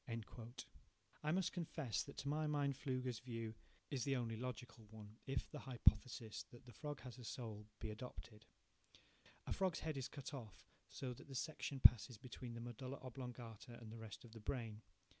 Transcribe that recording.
I must confess that to my mind Pflüger's view is the only logical one, if the hypothesis that the frog has a soul be adopted. A frog's head is cut off so that the section passes between the medulla oblongata and the rest of the brain.